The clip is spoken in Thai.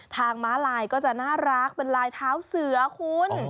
ม้าลายก็จะน่ารักเป็นลายเท้าเสือคุณ